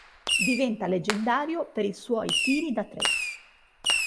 Diventa leggendario per i suoi tiri da tre.